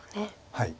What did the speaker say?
はい。